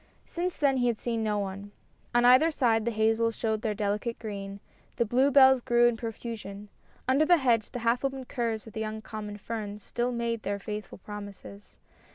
Since then he had seen no one. On either side the hazels showed their delicate green ; the bluebells grew in profusion ; under the hedge the half opened curves of the young common ferns still made their faithful promises.